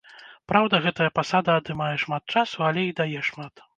Праўда, гэтая пасада адымае шмат часу, але і дае шмат.